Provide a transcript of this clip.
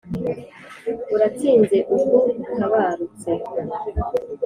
uratsinze ubwo utabarutse